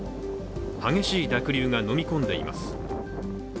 激しい濁流が飲み込んでいます。